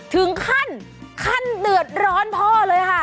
ถึงขั้นขั้นเดือดร้อนพ่อเลยค่ะ